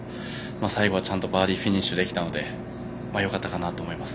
最後はちゃんとバーディーフィニッシュできたのでよかったのかなと思います。